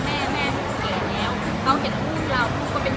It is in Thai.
ถ้าขอบคุณสมมุติได้ให้ให้เห็นผมขอบคุณสมมุติได้บอกให้เห็นผม